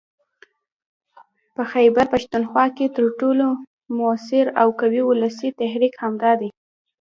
په خيبرپښتونخوا کې تر ټولو موثر او قوي ولسي تحريک همدا دی